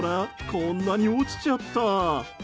こんなに落ちちゃった。